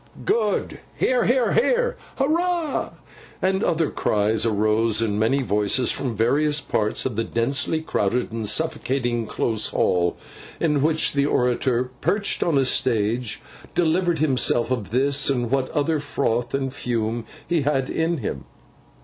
'Good!' 'Hear, hear, hear!' 'Hurrah!' and other cries, arose in many voices from various parts of the densely crowded and suffocatingly close Hall, in which the orator, perched on a stage, delivered himself of this and what other froth and fume he had in him.